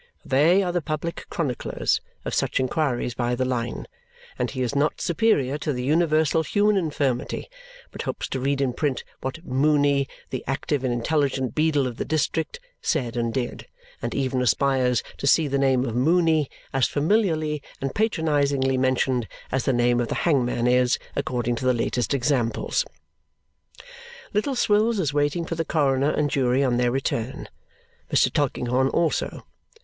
For they are the public chroniclers of such inquiries by the line; and he is not superior to the universal human infirmity, but hopes to read in print what "Mooney, the active and intelligent beadle of the district," said and did and even aspires to see the name of Mooney as familiarly and patronizingly mentioned as the name of the hangman is, according to the latest examples. Little Swills is waiting for the coroner and jury on their return. Mr. Tulkinghorn, also.